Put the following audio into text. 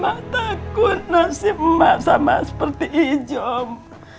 mak takut nasib mak sama seperti ijom